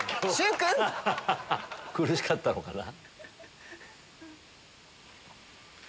苦しかったのかな。